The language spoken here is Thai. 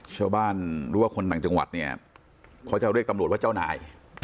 ชาวบ้านหรือว่าคนต่างจังหวัดเนี่ยเขาจะเรียกตำรวจว่าเจ้านาย